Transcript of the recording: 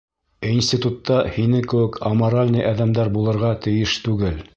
Институтта һинең кеүек аморальный әҙәмдәр булырға тейеш түгел!